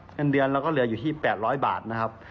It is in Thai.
เงินเดือนเราก็เหลืออยู่ที่๘๐๐บาทนะครับ